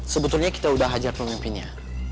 sebetulnya kita udah hajar pemimpinnya